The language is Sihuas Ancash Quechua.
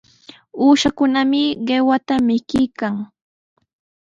Uushakunami qiwata mikuykan.